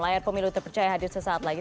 layar pemilu terpercaya hadir sesaat lagi